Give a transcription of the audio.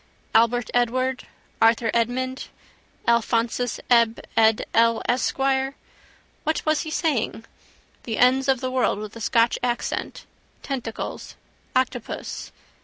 Albert Edward, Arthur Edmund, Alphonsus Eb Ed El Esquire. What was he saying? The ends of the world with a Scotch accent. Tentacles: octopus.